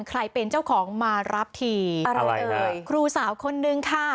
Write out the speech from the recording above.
ใครเป็นเจ้าของมารับทีอร่อยเอ่ยครูสาวคนนึงค่ะ